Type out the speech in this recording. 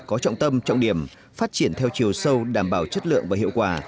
có trọng tâm trọng điểm phát triển theo chiều sâu đảm bảo chất lượng và hiệu quả